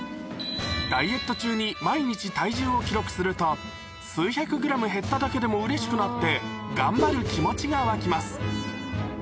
ダイエット中に数百ｇ減っただけでもうれしくなって頑張る気持ちが湧きます